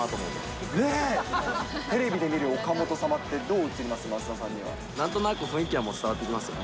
テレビで見る岡本様って、なんとなく雰囲気は伝わってきますよね。